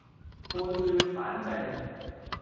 撥亂反正